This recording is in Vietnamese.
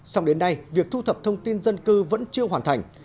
xong đến nay việc thu thập thông tin dân cư vẫn chưa hoàn thành